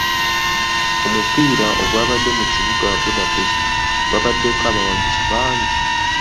Omupiira ogwabadde mu kibuga Budapest gwabaddeko abawagizi bangi.